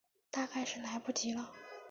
大概是来不及了